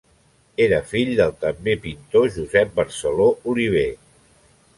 Era fill del també pintor Josep Barceló Oliver.